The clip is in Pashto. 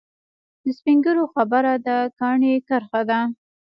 د سپین ږیرو خبره د کاڼي کرښه ده.